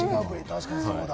確かにそうだ。